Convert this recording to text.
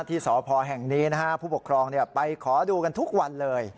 ที่สพแห่งนี้นะฮะผู้ปกครองไปขอดูกันทุกวันเลย